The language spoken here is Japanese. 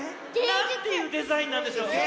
なんていうデザインなんでしょう。